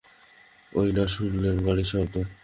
ঐ না শুনলেম গাড়ির শব্দ?